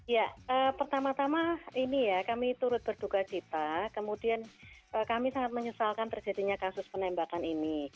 ya pertama tama ini ya kami turut berduka cita kemudian kami sangat menyesalkan terjadinya kasus penembakan ini